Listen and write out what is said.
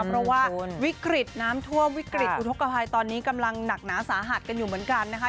เพราะว่าวิกฤตน้ำท่วมวิกฤตอุทธกภัยตอนนี้กำลังหนักหนาสาหัสกันอยู่เหมือนกันนะคะ